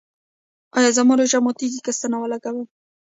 ایا زما روژه ماتیږي که ستنه ولګوم؟